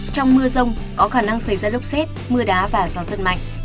trong mưa rông có khả năng xảy ra lốc xét mưa đá và gió rất mạnh